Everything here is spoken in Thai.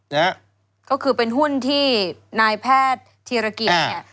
ก็คือเป็นหุ้นที่นายแพทย์เทียรกิจเนี่ย